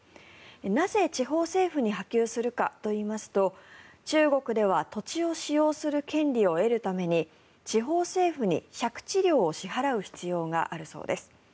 なぜ、地方政府に波及するかといいますと中国では土地を使用する権利を得るために地方政府に借地料を支払う必要があるそうです。